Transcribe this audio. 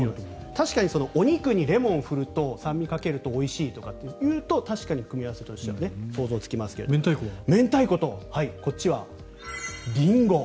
確かにお肉にレモンをかけると酸味をかけるとおいしいとかっていうと確かに組み合わせとしては想像つきますけど明太子とこっちはリンゴ。